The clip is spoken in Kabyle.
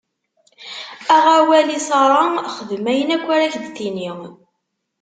Aɣ awal i Ṣara, xdem ayen akk ara k-d-tini.